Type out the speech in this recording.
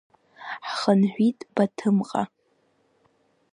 Ҳхынҳәит Баҭымҟа.